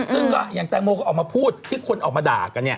ซึ่งอย่างแตงโมออกมาพูดที่เค้าออกมาด่ากัน